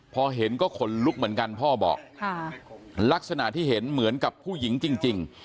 พอเห็นก็ขนลุกเหมือนกันพ่อบอกลักษณะที่เห็นเหมือนกับผู้หญิงจริง